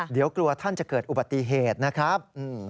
เดี๋ยวกลัวท่านจะเกิดอุบัติเหตุนะครับ